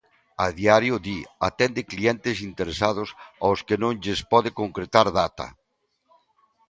A diario, di, atende clientes interesados aos que non lles pode concretar data.